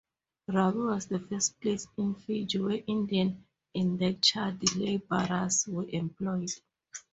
Rabi was the first place in Fiji where Indian indentured labourers were employed.